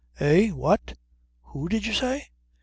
"Eh? What? Who, did you say?"